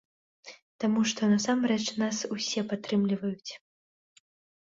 Таму што насамрэч нас усе падтрымліваюць.